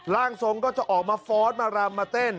ร่างทรงก็จะออกมาฟ้อนมารำมาเต้น